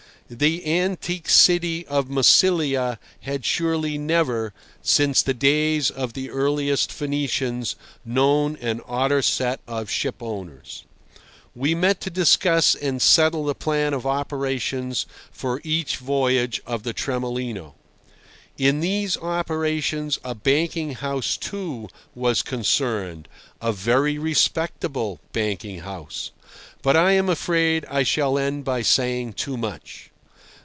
The antique city of Massilia had surely never, since the days of the earliest Phoenicians, known an odder set of ship owners. We met to discuss and settle the plan of operations for each voyage of the Tremolino. In these operations a banking house, too, was concerned—a very respectable banking house. But I am afraid I shall end by saying too much.